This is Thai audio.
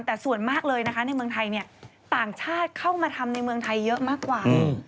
แต่ส่วนมากเลยนะคะในเมืองไทยต่างชาติเข้ามาทำในเมืองไทยเยอะมากกว่า